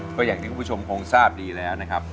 ก็อย่างที่คุณผู้ชมคงทราบดีแล้วนะครับ